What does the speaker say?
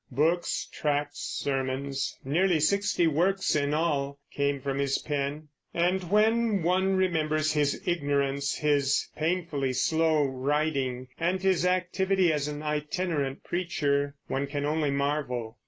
Books, tracts, sermons, nearly sixty works in all, came from his pen; and when one remembers his ignorance, his painfully slow writing, and his activity as an itinerant preacher, one can only marvel.